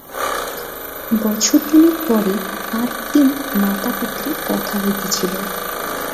বছর-তিনেক পরে আর-এক দিন মাতাপুত্রে কথা হইতেছিল।